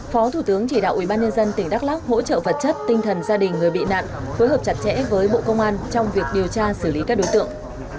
phó thủ tướng chỉ đạo ubnd tỉnh đắk lắc hỗ trợ vật chất tinh thần gia đình người bị nạn phối hợp chặt chẽ với bộ công an trong việc điều tra xử lý các đối tượng